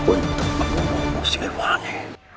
untuk membunuhku silvani